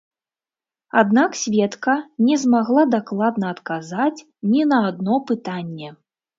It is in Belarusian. Аднак сведка не змагла дакладна адказаць ні на адно пытанне.